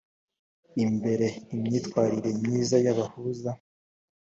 imbere imyitwarire myiza y abahuza